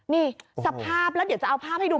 นี่สภาพแล้วเดี๋ยวจะเอาภาพให้ดู